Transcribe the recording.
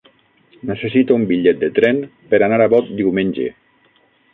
Necessito un bitllet de tren per anar a Bot diumenge.